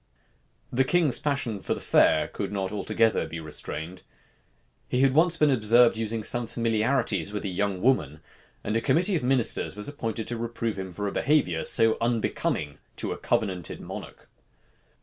The king's passion for the fair could not altogether be restrained. He had once been observed using some familiarities with a young woman; and a committee of ministers was appointed to reprove him for a behavior so unbecoming a covenanted monarch.